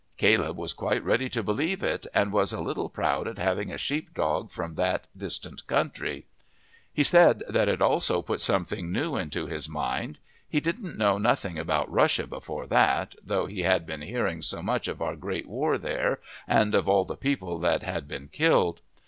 Caleb was quite ready to believe it, and was a little proud at having a sheep dog from that distant country. He said that it also put something new into his mind. He didn't know nothing about Russia before that, though he had been hearing so much of our great war there and of all the people that had been killed.